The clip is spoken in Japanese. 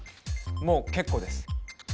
もう結構です